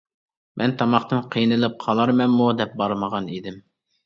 مەن تاماقتىن قىينىلىپ قالارمەنمۇ دەپ بارمىغان ئىدىم.